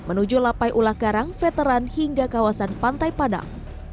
menuju lapai ula karang veteran hingga kawasan pantai padang